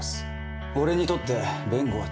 俺にとって弁護は治療だ。